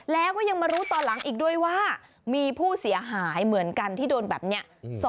แล้วก็ยังมารู้ตอนหลังอีกด้วยว่ามีผู้เสียหายเหมือนกันที่โดนแบบนี้